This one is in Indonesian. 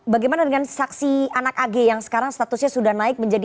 bagaimana dengan saksi anak ag yang sekarang statusnya sudah naik menjadi